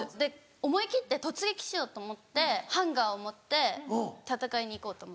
思い切って突撃しようと思ってハンガーを持って戦いに行こうと思って。